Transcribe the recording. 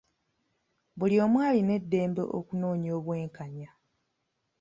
Buli omu alina eddembe okunoonya obwenkanya.